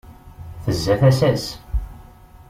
Tezza tasa-s.